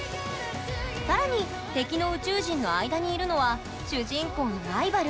更に敵の宇宙人の間にいるのは主人公のライバル。